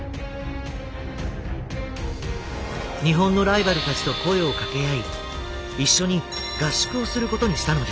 日本のライバルたちと声をかけ合い一緒に合宿をすることにしたのです。